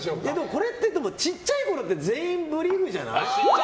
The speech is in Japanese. これってちっちゃいころって全員ブリーフじゃない？